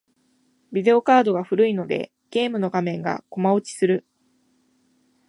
ビデオカードが古いので、ゲームの画面がコマ落ちする。